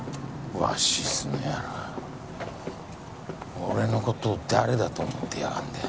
俺のことを誰だと思ってやがんだよ。